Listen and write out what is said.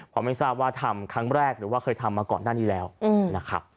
เพราะไม่ทราบว่าทำครั้งแรกหรือว่าเคยทำมาก่อนหน้านี้แล้วนะครับ